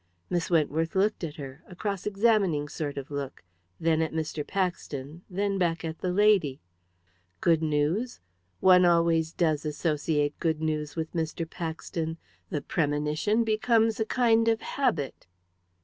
Miss Wentworth looked at her a cross examining sort of look then at Mr. Paxton, then back at the lady. "Good news? One always does associate good news with Mr. Paxton. The premonition becomes a kind of habit."